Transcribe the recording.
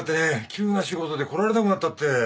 急な仕事で来られなくなったって。